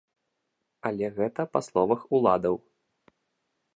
Але гэта па словах уладаў.